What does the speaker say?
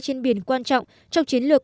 trên biển quan trọng trong chiến lược